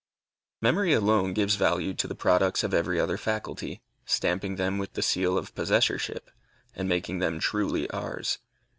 Memory alone gives value to the products of every other faculty, stamping them with the seal of possessorship, and making them truly ours.